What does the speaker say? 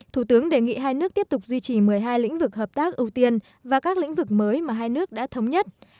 thủ tướng đề nghị hai nước tiếp tục duy trì một mươi hai lĩnh vực hợp tác ưu tiên và các lĩnh vực mới mà hai nước đã thống nhất